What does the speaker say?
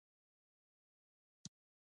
آزاد تجارت مهم دی ځکه چې تیاتر هڅوي.